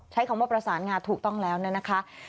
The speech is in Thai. ใช้คำว่าประสานงาถูกต้องแล้วนะคะ